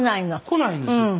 来ないんですよ。